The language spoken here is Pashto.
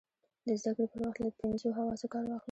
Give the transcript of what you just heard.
د زده کړې پر وخت له پینځو حواسو کار واخلئ.